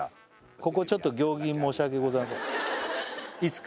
ここちょっと行儀申し訳ございませんいいっすか？